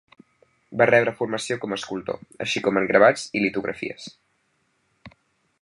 Va rebre formació com a escultor, així com en gravats i litografies.